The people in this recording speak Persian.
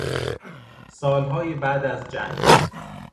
سالهای بعد از جنگ